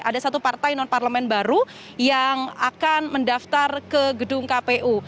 ada satu partai non parlemen baru yang akan mendaftar ke gedung kpu